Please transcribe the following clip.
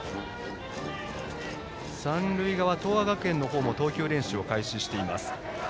三塁側、東亜学園の方も投球練習を開始しています。